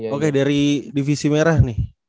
oke dari divisi merah nih